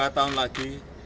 dua tahun lagi